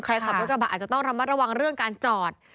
ขับรถกระบะอาจจะต้องระมัดระวังเรื่องการจอด